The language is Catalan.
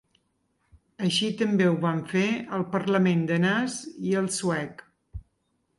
Així també ho van fer el parlament danès i el suec.